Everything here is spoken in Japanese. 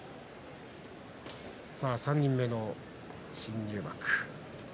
３人目の新入幕。